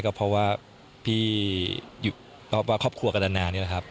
ก็เพราะว่าพี่อยู่เพราะว่าครอบครัวกันนานนี่แหละครับ